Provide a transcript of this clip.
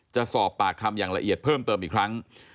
จะสอบปากคำอย่างละเอียดเพิ่มเติมอีกครั้ง